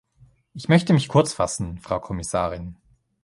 Ich möchte mich kurzfassen, Frau Kommissarin.